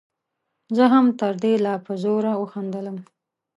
زه هم تر ده لا په زوره وخندلم.